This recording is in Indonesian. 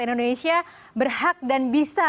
indonesia berhak dan bisa